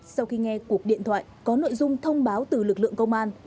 sau khi nghe cuộc điện thoại có nội dung thông báo từ lực lượng công an